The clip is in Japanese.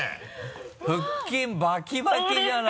腹筋バキバキじゃない。